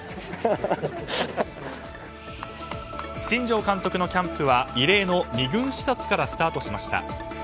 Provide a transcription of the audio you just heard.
新庄監督のキャンプは異例の２軍視察からスタートしました。